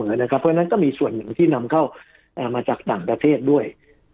เพราะฉะนั้นก็มีส่วนหนึ่งที่นำเข้ามาจากต่างประเทศด้วย